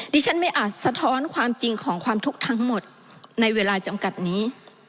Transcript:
ดิฉันไม่อาจสะท้อนความจริงของความทุกข์ทั้งหมดในเวลาจำกัดนี้